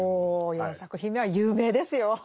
４作品目は有名ですよ。